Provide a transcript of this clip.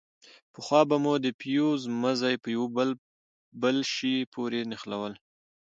پخوا به مو د فيوز مزي په يوه بل شي پورې نښلول.